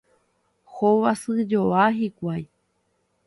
Hovasyjoa hikuái.